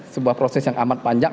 sebuah proses yang amat panjang